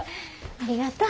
ありがとう。